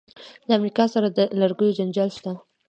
د امریکا سره د لرګیو جنجال شته.